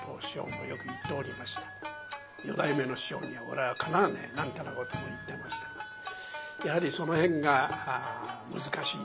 「四代目の師匠に俺はかなわねえ」なんてなことも言ってましたがやはりその辺が難しいですね。